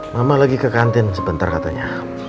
mama lagi ke kantin sebentar katanya